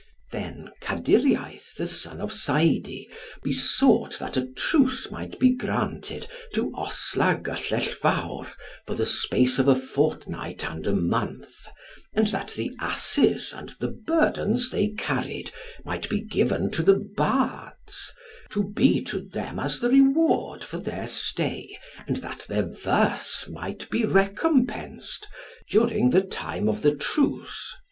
Then Kadyriaith the son of Saidi besought that a truce might be granted to Osla Gyllellvawr for the space of a fortnight and a month, and that the asses and the burdens they carried might be given to the bards, to be to them as the reward for their stay and that their verse might be recompensed, during the time of the truce.